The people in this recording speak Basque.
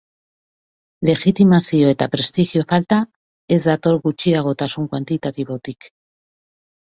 Legitimazio eta prestigio falta ez dator gutxiagotasun kuantitatibotik.